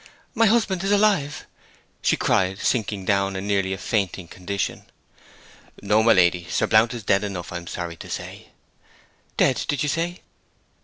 My husband is alive,' she cried, sinking down in nearly a fainting condition. 'No, my lady. Sir Blount is dead enough, I am sorry to say.' 'Dead, did you say?'